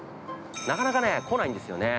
なかなかね、来ないんですよね。